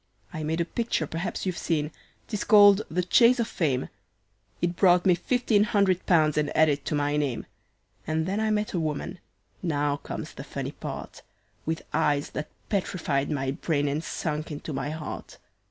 "I made a picture perhaps you've seen, 'tis called the `Chase of Fame.' It brought me fifteen hundred pounds and added to my name, And then I met a woman now comes the funny part With eyes that petrified my brain, and sunk into my heart.